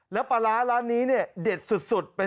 แล้วปลาร้าร้านนี้เนี่ยเด็ดสุด